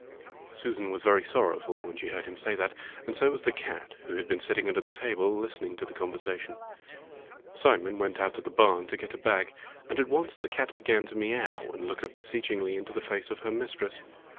Susan was very sorrowful when she heard him say that, and so was the cat, who had been sitting under the table listening to the conversation. Simon went out to the barn 70 Fairy Tale Foxes to get a bag, and at once the cat began to miaow and look up beseechingly into the face of her mistress.